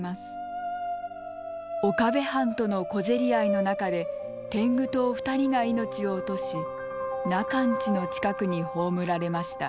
岡部藩との小競り合いの中で天狗党２人が命を落とし中の家の近くに葬られました。